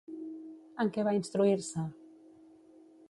En què va instruir-se?